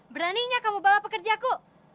beraninya kamu bawa pekerja ku